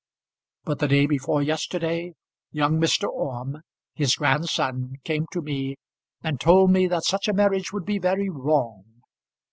But the day before yesterday young Mr. Orme, his grandson, came to me and told me that such a marriage would be very wrong.